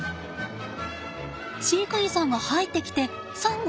飼育員さんが入ってきてサンゴを外しました。